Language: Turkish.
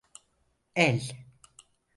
El…